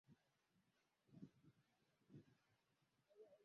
ni Shija ambaye huzaliwa baada ya mapacha naye ana sifa ya kuwa mkangoMbili